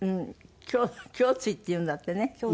胸椎っていうんだってね。